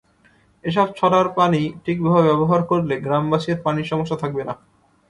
এসব ছড়ার পানি ঠিকভাবে ব্যবহার করলে গ্রামবাসীর পানির সমস্যা থাকবে না।